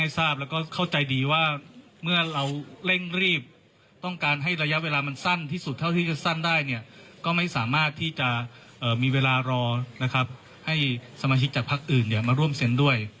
ถูกโทษนะครับให้สมชิดจากภาคอื่นมาร่วมเซ็นด์ด้วย